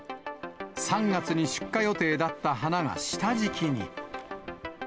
３月に出荷予定だった花が下敷きに。